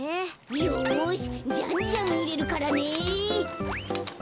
よしじゃんじゃんいれるからね。